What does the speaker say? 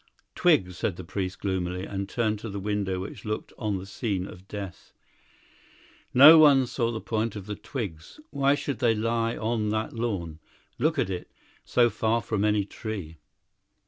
"Twigs," said the priest gloomily, and turned to the window which looked on the scene of death. "No one saw the point of the twigs. Why should they lie on that lawn (look at it) so far from any tree?